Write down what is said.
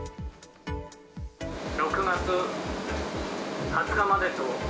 ６月２０日までと。